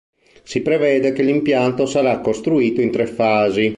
Si prevede che l'impianto sarà costruito in tre fasi.